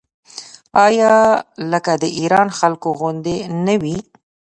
آیا لکه د ایران خلکو غوندې نه وي؟